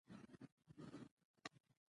را درومه لالیه دونيا په بېلتون نه ارځي